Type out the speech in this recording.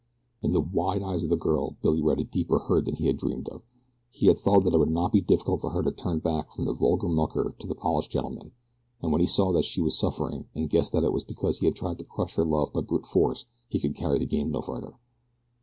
In the wide eyes of the girl Billy read a deeper hurt than he had dreamed of. He had thought that it would not be difficult for her to turn back from the vulgar mucker to the polished gentleman. And when he saw that she was suffering, and guessed that it was because he had tried to crush her love by brute force he could carry the game no further.